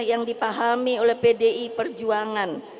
yang dipahami oleh pdi perjuangan